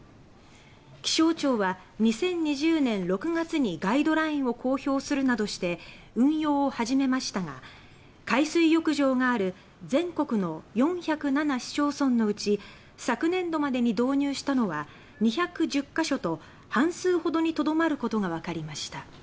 気象庁は２０２０年６月にガイドラインを公表するなどして運用を始めましたが海水浴場がある全国の４０７市町村のうち昨年度までに導入したのは２１０か所と半数ほどに留まることがわかりました。